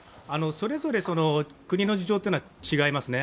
それぞれ国の事情は違いますね。